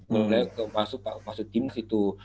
mulai masuk masuk timnas itu